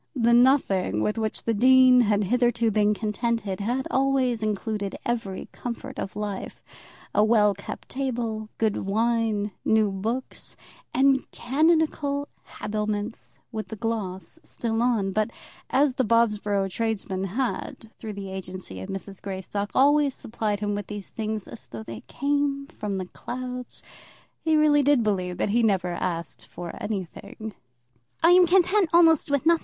The nothing with which the dean had hitherto been contented had always included every comfort of life, a well kept table, good wine, new books, and canonical habiliments with the gloss still on; but as the Bobsborough tradesmen had, through the agency of Mrs. Greystock, always supplied him with these things as though they came from the clouds, he really did believe that he had never asked for anything. "I am content almost with nothing.